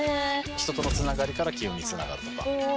人とのつながりから金運につながるとか。